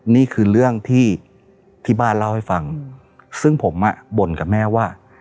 นี่คือเรื่องที่ที่บ้านเล่าให้ฟังซึ่งผมอ่ะบ่นกับแม่ว่า